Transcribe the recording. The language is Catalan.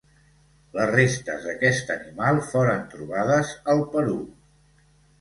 Les restes d'aquest animal foren trobades al Perú.